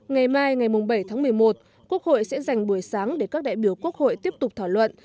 ngày mai ngày bảy tháng một mươi một quốc hội sẽ dành buổi sáng để các đại biểu quốc hội tiếp tục thảo luận